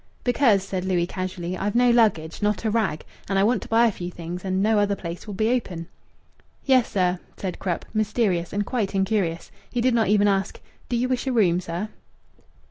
"Because," said Louis casually, "I've no luggage, not a rag, and I want to buy a few things, and no other place'll be open." "Yes, sir," said Krupp, mysterious and quite incurious. He did not even ask, "Do you wish a room, sir?"